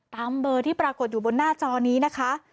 ตามเบอร์ที่ปรากฏอยู่บนหน้าจอนี้นะคะ